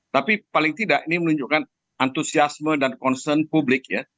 tapi paling tidak ini menunjukkan antusiasme dan concern publik ya